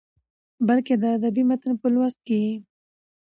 بلکې د ادبي متن په لوست کې يې